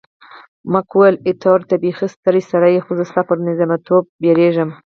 مک وویل، ایټوره ته بیخي ستر سړی یې، خو زه ستا پر نظامیتوب بیریږم.